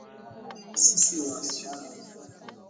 Sisi ni wasichana wazuri